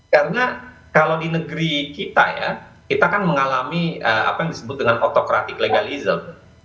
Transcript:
karena kalau di negeri kita ya kita kan mengalami apa yang disebut dengan autokratik legalism